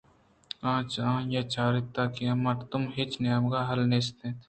آئی ءَچاراِت کہ آئی ءِ مرد ءِ ہچ نیمگءَ حال نیست اِنت